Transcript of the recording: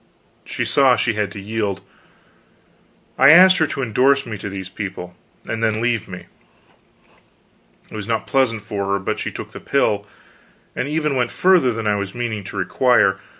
She saw she had to yield. I asked her to indorse me to these people, and then leave me. It was not pleasant for her, but she took the pill; and even went further than I was meaning to require.